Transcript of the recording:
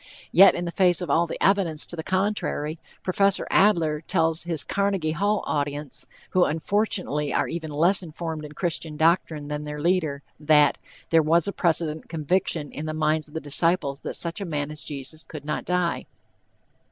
Yet in the face of all the evidence to the contrary, Prof. Adler tells his Carnegie Hall audience, who unfortunately are even less informed in Christian doctrine than their leader, that "there was a precedent conviction in the minds of the disciples that such a man as Jesus could not die."